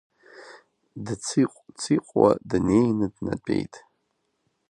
Дциҟә-циҟәуа днеины днатәеит.